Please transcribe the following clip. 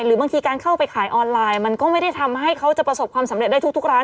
หรือบางทีการเข้าไปขายออนไลน์มันก็ไม่ได้ทำให้เขาจะประสบความสำเร็จได้ทุกร้าน